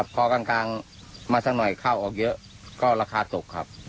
พอก่อนกลางมาสักหน่อยข้าวออกเยอะบาทก็ต้องลาศาสตร์